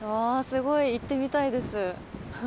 わあすごい行ってみたいです。